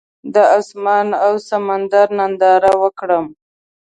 د اسمان او سمندر ننداره وکړم.